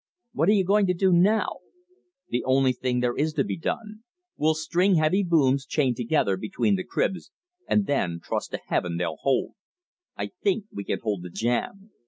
"What are you going to do now?" "The only thing there is to be done. We'll string heavy booms, chained together, between the cribs, and then trust to heaven they'll hold. I think we can hold the jam.